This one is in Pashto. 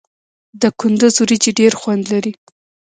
د کندز وریجې ډیر خوند لري.